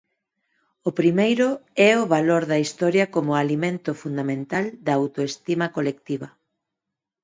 O primeiro é o valor da historia como alimento fundamental da autoestima colectiva.